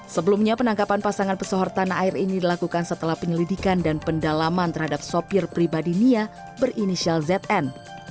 sebelumnya penangkapan pasangan pesohor tanah air ini dilakukan setelah penyelidikan dan pendalaman terhadap sopir pribadi nia berinisial zn